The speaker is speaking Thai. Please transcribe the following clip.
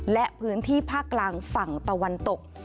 และพื้นที่ภาคกลางฝั่งตะวันตก